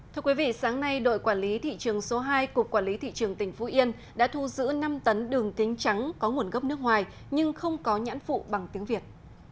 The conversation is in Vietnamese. thưa quý vị sáng nay đội quản lý thị trường số hai cục quản lý thị trường tỉnh phú yên đã thu giữ năm tấn đường kính trắng có nguồn gốc nước ngoài nhưng không có nhãn phụ bằng tiếng việt